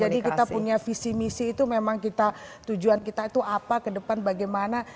jadi kita punya visi misi itu memang kita tujuan kita itu apa ke depan bagaimana